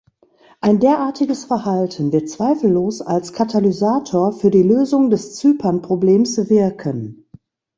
Ein derartiges Verhalten wird zweifellos als Katalysator für die Lösung des Zypernproblems wirken.